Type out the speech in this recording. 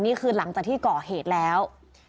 นี่คือหลังจากที่ก่อเหตุแล้ว